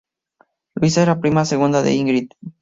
Luisa era prima segunda de Ingrid.